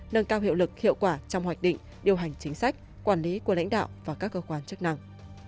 nâng cao hiệu lực hiệu quả trong hoạch định điều hành chính sách quản lý của lãnh đạo và các cơ quan chức năng